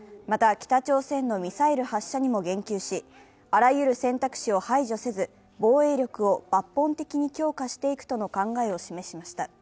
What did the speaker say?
また、北朝鮮のミサイル発射にも言及し、あらゆる選択肢を排除せず、防衛力を抜本的に強化していくとの考えを示しました。